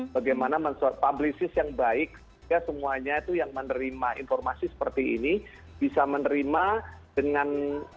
bagaimana mensublisis yang baik semuanya itu yang menerima informasi seperti ini bisa menerima dengan